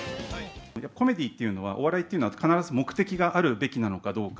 コメディーというのは、お笑いっていうのは、必ず、目的があるべきなのかどうか。